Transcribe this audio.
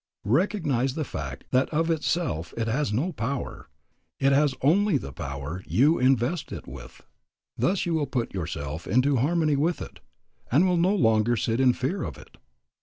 Recognize the fact that of itself it has no power, it has only the power you invest it with. Thus you will put yourself into harmony with it, and will no longer sit in fear of it.